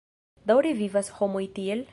Daŭre vivas homoj tiel?